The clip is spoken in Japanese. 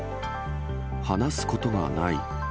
話すことがない。